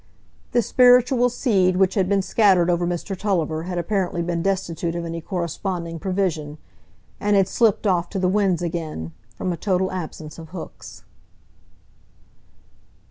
The spiritual seed which had been scattered over Mr Tulliver had apparently been destitute of any corresponding provision, and had slipped off to the winds again, from a total absence of hooks.